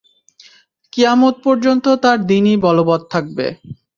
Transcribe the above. কিয়ামত পর্যন্ত তাঁর দীনই বলবৎ থাকবে।